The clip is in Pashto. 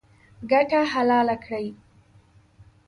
ګټه حلاله کړئ